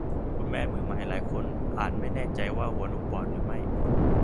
คุณแม่มือใหม่หลายคนอาจไม่แน่ใจว่าหัวนมบอดหรือไม่